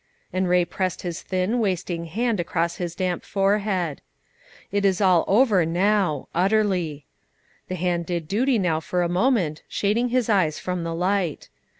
And Ray pressed his thin, wasting hand across his damp forehead. "It is all over now, utterly." The hand did duty now for a moment, shading his eyes from the light.